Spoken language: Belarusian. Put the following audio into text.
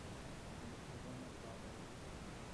Снег ужо не падае.